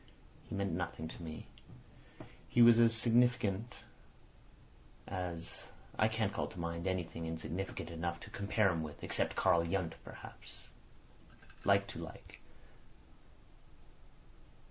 He meant nothing to me. He was as insignificant as—I can't call to mind anything insignificant enough to compare him with—except Karl Yundt perhaps. Like to like.